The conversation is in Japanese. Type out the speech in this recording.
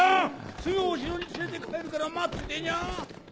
すぐお城に連れて帰るから待っててにゃ！